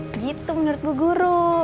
gitu menurut ibu guru